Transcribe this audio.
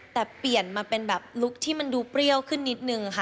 แต่เปลี่ยนมาเป็นแบบลุคที่มันดูเปรี้ยวขึ้นนิดนึงค่ะ